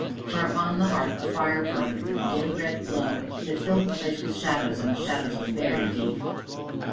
For upon the hearth a fire burned with a dim, red glow that filled the place with shadows, and the shadows were very deep.